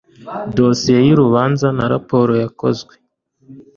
dosiye y urubanza na raporo yakozwe